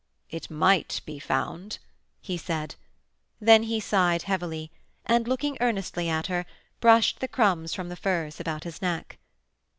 'It might be found,' he said; then he sighed heavily, and, looking earnestly at her, brushed the crumbs from the furs about his neck.